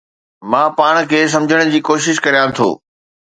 مان پاڻ کي سمجهڻ جي ڪوشش ڪريان ٿو